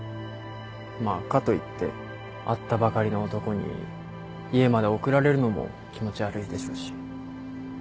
まあかといって会ったばかりの男に家まで送られるのも気持ち悪いでしょうし